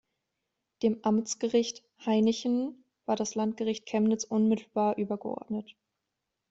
Dem Amtsgericht Hainichen war das Landgericht Chemnitz unmittelbar übergeordnet.